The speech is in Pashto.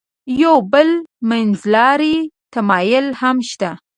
یو بل منځلاری تمایل هم شته.